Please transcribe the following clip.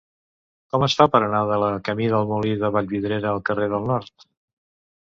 Com es fa per anar de la camí del Molí de Vallvidrera al carrer del Nord?